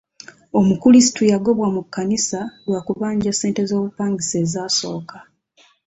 Omukulisitu yagobwa mu kkanisa lwa kubanja ssente z'obupangisa ezasooka.